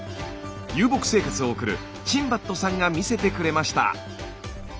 遊牧生活を送るチンバットさんが見せてくれました。